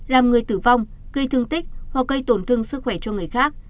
làm người tử vong gây thương tích hoặc gây tổn thương sức khỏe cho người khác